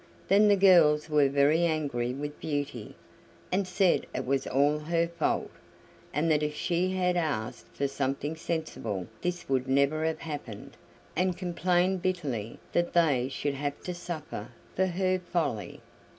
Then the girls were very angry with Beauty, and said it was all her fault, and that if she had asked for something sensible this would never have happened, and complained bitterly that they should have to suffer for her folly.